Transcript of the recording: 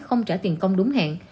không trả tiền công đúng hẹn